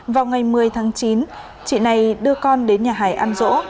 vào ngày một mươi tháng chín chị này đưa con đến nhà hải ăn rỗ